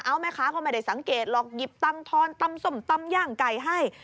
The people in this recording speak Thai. เอาแม่ค้าก็ไม่ได้สังเกตหรอกหยิบตังทอนตำส้มตำย่างไก่ให้